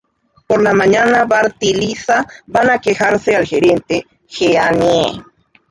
Por la mañana, Bart y Lisa van a quejarse al gerente, Jeanie.